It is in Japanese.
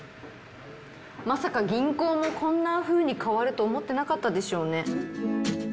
まさか銀行もこんなふうに変わると思ってなかったでしょうね。